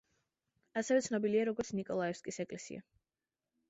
ასევე ცნობილია, როგორც ნიკოლაევსკის ეკლესია.